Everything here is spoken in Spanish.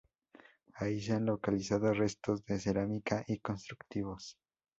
Aquí se han localizado restos de cerámica y constructivos.